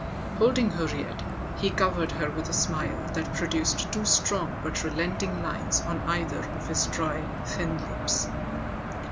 Holding her yet, he covered her with a smile that produced two strong but relenting lines on either side of his dry, thin lips.